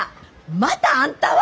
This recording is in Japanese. またあんたは！